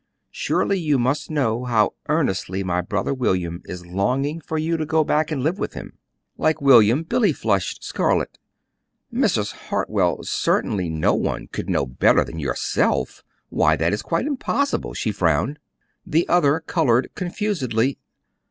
Surely you must know how earnestly my brother William is longing for you to go back and live with him." Like William, Billy flushed scarlet. "Mrs. Hartwell, certainly no one could know better than YOURSELF why that is quite impossible," she frowned. The other colored confusedly.